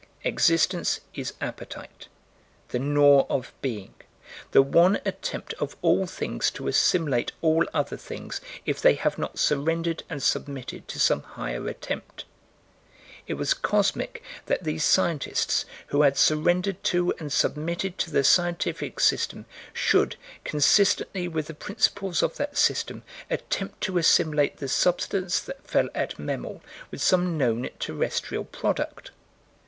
Existence is Appetite: the gnaw of being; the one attempt of all things to assimilate all other things, if they have not surrendered and submitted to some higher attempt. It was cosmic that these scientists, who had surrendered to and submitted to the Scientific System, should, consistently with the principles of that system, attempt to assimilate the substance that fell at Memel with some known terrestrial product.